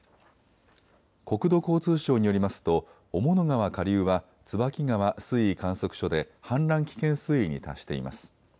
国土交通省によりますと雄物川下流は椿川水位観測所で氾濫危険水位に達しています。